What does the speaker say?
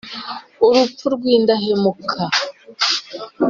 Urupfu rw indahemuka